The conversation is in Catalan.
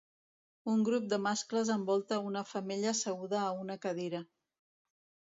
Un grup de mascles envolta a una femella asseguda a una cadira.